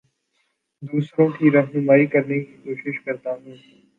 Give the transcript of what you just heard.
دوسروں کی رہنمائ کرنے کی کوشش کرتا ہوں